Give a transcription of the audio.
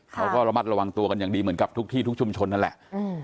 เขาก็ระมัดระวังตัวกันอย่างดีเหมือนกับทุกที่ทุกชุมชนนั่นแหละ